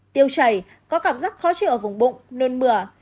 tiêu chảy có cảm giác khó chịu ở vùng bụng nôn mửa